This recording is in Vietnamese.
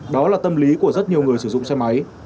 đó là tâm lý của rất nhiều người sử dụng xe máy